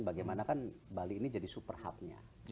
bagaimana kan bali ini jadi super hubnya